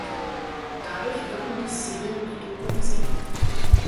Dadurch wirken die Szenen wie improvisiert.